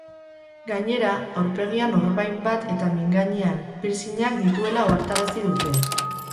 Gainera, aurpegian orbain bat eta mingainean piercingak dituela ohartarazi dute.